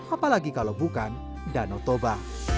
apalagi kalau bukan danau toba